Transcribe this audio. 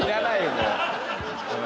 もう。